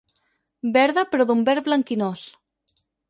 Verda però d'un verd blanquinós.